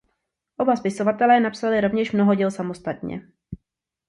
Oba spisovatelé napsali rovněž mnoho děl samostatně.